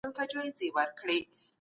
خلکو هېر کړل چي یې ایښي وه نذرونه